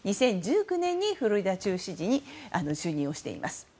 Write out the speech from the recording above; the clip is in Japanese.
２０１９年にフロリダ州知事に就任しています。